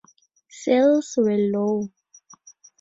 Sales were low.